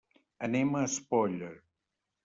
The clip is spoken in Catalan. Anem a Espolla.